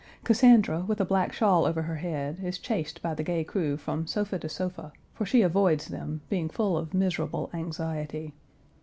Cassandra, with a black shawl over her head, is chased by the gay crew from sofa to sofa, for she avoids them, being full of miserable anxiety.